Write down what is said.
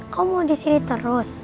kamu mau di sini terus